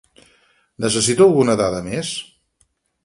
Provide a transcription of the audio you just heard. Necessito alguna dada més?